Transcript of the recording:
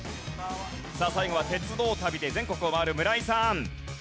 さあ最後は鉄道旅で全国を回る村井さん。